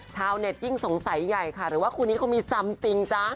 ชาวเน็ตยิ่งสงสัยใหญ่ค่ะหรือว่าคู่นี้เขามีซ้ำจริงจ๊ะ